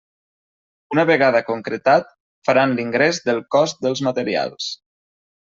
Una vegada concretat, faran l'ingrés del cost dels materials.